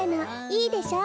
いいでしょ？